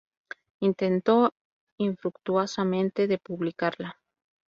Intentó infructuosamente de publicarla.